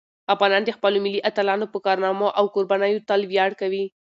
افغانان د خپلو ملي اتلانو په کارنامو او قربانیو تل ویاړ کوي.